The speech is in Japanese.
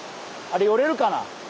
あれ寄れるかな？